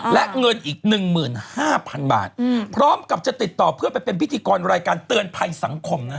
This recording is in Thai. และเงินอีก๑๕๐๐๐บาทพร้อมกับจะติดต่อเพื่อไปเป็นพิธีกรรายการเตือนภัยสังคมนะฮะ